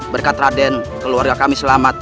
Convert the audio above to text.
berkat raden keluarga kami selamat